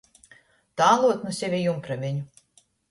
Tāluot nu seve jumpraveņu.